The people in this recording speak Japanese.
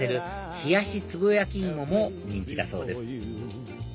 冷やしつぼ焼き芋も人気だそうです